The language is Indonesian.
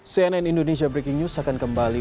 cnn indonesia breaking news akan kembali